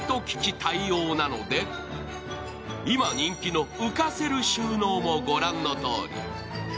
今、人気の浮かせる収納もご覧の通り。